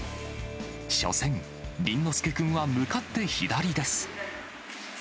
初戦、倫之亮君は向かって左です。